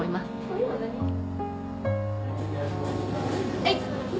はい！